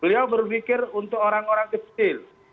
beliau berpikir untuk orang orang kecil